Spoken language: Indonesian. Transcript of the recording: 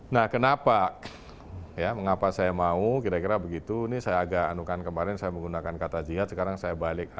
nah kenapa ya mengapa saya mau kira kira begitu ini saya agak anukan kemarin saya menggunakan kata jihad sekarang saya balik